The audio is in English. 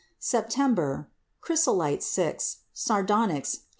September Chrysolite 6, sardonyx 2.